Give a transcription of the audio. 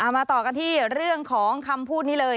มาต่อกันที่เรื่องของคำพูดนี้เลย